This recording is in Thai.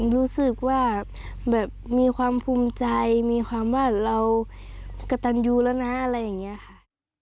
รู้สึกว่าแบบมีความภูมิใจมีความว่าเรากระตันยูแล้วนะอะไรอย่างนี้ค่ะ